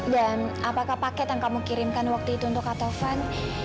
dan apakah paket yang kamu kirimkan waktu itu untuk kak tovan